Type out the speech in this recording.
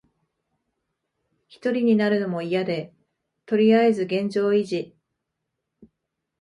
ひとりになるのもいやで、とりあえず現状維持。